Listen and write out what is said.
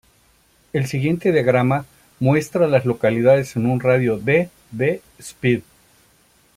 El siguiente diagrama muestra a las localidades en un radio de de Speed.